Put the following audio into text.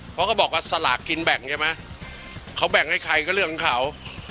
เพราะเขาบอกว่าสลากกินแบ่งใช่ไหมเขาแบ่งให้ใครก็เรื่องของเขา